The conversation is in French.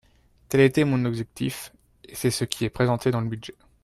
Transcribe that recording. Tel était mon objectif et c’est ce qui est présenté dans le budget.